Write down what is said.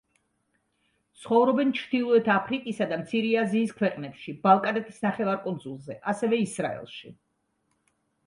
ცხოვრობენ ჩრდილოეთ აფრიკისა და მცირე აზიის ქვეყნებში, ბალკანეთის ნახევარკუნძულზე, ასევე ისრაელში.